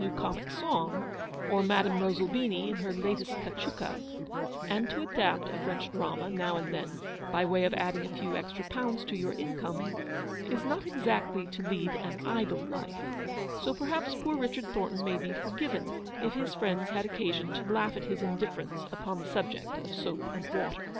119 new comic song, or Madame Rosalbini in her latest cachuca; and to adapt a French drama, now and then, by way of adding a few extra pounds to your income, is not exactly to lead an idle life : so perhaps poor Richard Thornton may be forgiven if his friends had occasion to lausrh at his indifference upon the subject of soap and water.